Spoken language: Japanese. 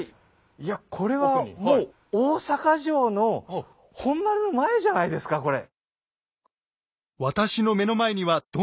いやこれはもう大坂城の本丸の前じゃないですかこれ。